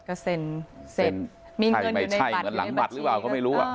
ก็เซ็นมีเงินในบัตรใช่เหมือนหลังบัตรหรือเปล่าก็ไม่รู้